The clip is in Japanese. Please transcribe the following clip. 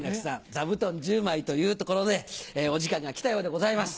座布団１０枚というところで、お時間が来たようでございます。